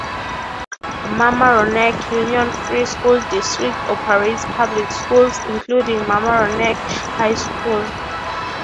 Mamaroneck Union Free School District operates public schools, including Mamaroneck High School.